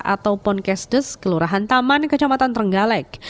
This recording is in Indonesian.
atau ponkesdes kelurahan taman kecamatan trenggalek